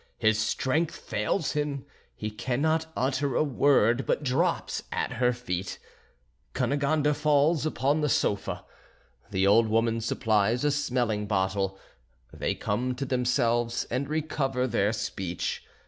His strength fails him, he cannot utter a word, but drops at her feet. Cunegonde falls upon the sofa. The old woman supplies a smelling bottle; they come to themselves and recover their speech.